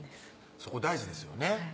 そこ大事ですよね